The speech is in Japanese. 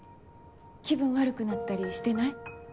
気分悪くなったりしてない？